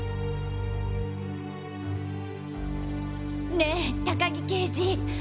ねぇ高木刑事？